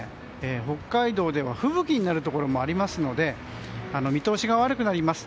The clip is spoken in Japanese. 北海道では吹雪になるところもありますので見通しが悪くなります。